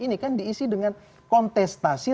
ini kan diisi dengan kontestasi